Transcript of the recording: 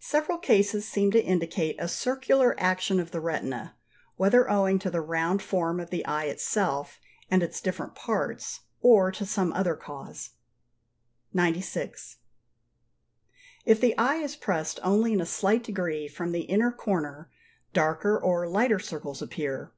Several cases seem to indicate a circular action of the retina, whether owing to the round form of the eye itself and its different parts, or to some other cause. 96. If the eye is pressed only in a slight degree from the inner corner, darker or lighter circles appear.